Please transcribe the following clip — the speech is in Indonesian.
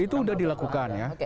itu sudah dilakukan ya